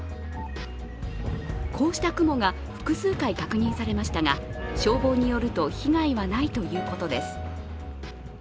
こうした雲が複数回確認されましたが、消防によると、被害はないということです。